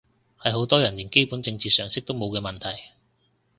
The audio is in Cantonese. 係好多人連基本政治常識都冇嘅問題